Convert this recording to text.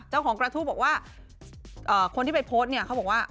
เจ้าของกระทู้บอกว่าคนที่ไปโพสต์เนี่ยเขาบอกว่า